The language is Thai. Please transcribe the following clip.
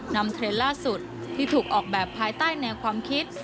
เทรนด์ล่าสุดที่ถูกออกแบบภายใต้แนวความคิด